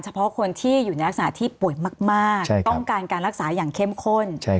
เพาะคนที่อยู่ในลักษณะที่ป่วยมากต้องการการรักษาอย่างเข้มข้น